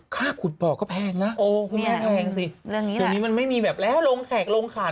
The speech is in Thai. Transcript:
ค่าขุดปอกก็แพงนะคุณแม่แพงสิตรงนี้มันไม่มีแบบแล้วลงแขกลงขาด